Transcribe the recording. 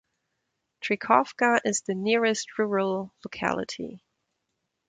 Trykovka is the nearest rural locality.